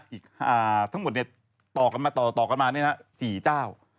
อีก๕ทั้งหมดต่อกันมานี่นะ๔เจ้า